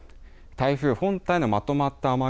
台風本体のまとまった雨雲